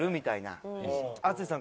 淳さん